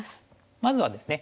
まずはですね